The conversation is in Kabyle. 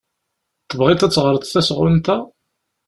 Tebɣiḍ ad teɣreḍ tasɣunt-a?